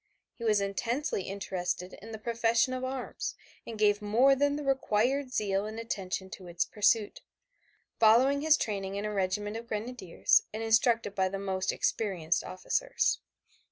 He was intensely interested in the profession of arms and gave more than the required zeal and attention to its pursuit, following his training in a regiment of Grenadiers, and instructed by the most experienced officers.